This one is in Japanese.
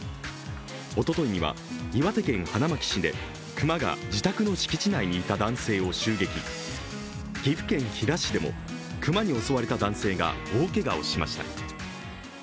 おとといには岩手県花巻市で熊が自宅の庭にいた男性を襲撃、岐阜県飛騨市でも熊に襲われた男性が大けがをしました。